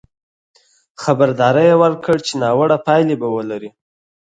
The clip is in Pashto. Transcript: خبرداری یې ورکړ چې ناوړه پایلې به ولري.